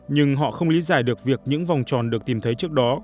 nhưng họ không lý giải được việc những vòng tròn được tìm thấy trước đó